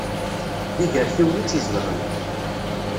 D igarfiwen i tt-izedɣen.